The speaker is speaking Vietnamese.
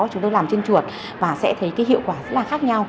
chúng tôi làm trên chuột và sẽ thấy cái hiệu quả